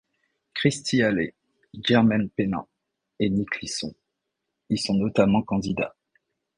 Kirstie Alley, Jermaine Pennant et Nick Leeson y sont notamment candidats.